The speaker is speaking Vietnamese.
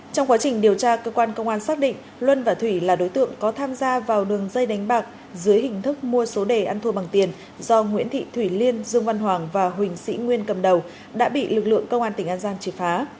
trong quá trình điều tra cơ quan công an xác định luân và thủy là đối tượng có tham gia vào đường dây đánh bạc dưới hình thức mua số đề ăn thua bằng tiền do nguyễn thị thủy liên dương văn hoàng và huỳnh sĩ nguyên cầm đầu đã bị lực lượng công an tỉnh an giang triệt phá